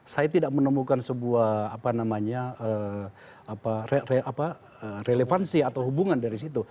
saya tidak menemukan sebuah relevansi atau hubungan dari situ